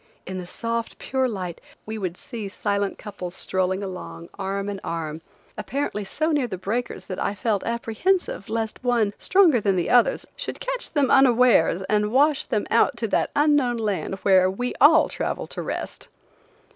In the soft, pure light we would see silent couples strolling along arm and arm, apparently so near the breakers that I felt apprehensive lest one, stronger than the others, should catch them unawares and wash them out to that unknown land where we all travel to rest.